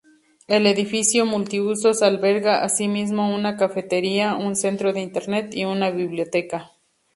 El edificio multiusos alberga, asimismo, una cafetería, un centro de Internet y una biblioteca.